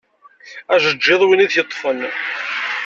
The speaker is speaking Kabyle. Ajeğğiḍ win i t-yeṭṭfen.